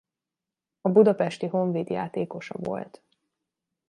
A Budapesti Honvéd játékosa volt.